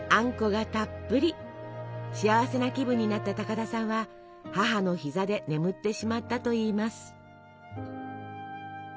幸せな気分になった高田さんは母の膝で眠ってしまったといいます。